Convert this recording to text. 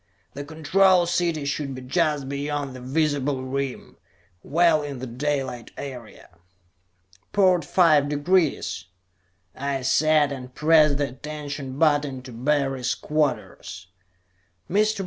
The Control City should be just beyond the visible rim; well in the daylight area. "Port five degrees," I said, and pressed the attention button to Barry's quarters. "Mr.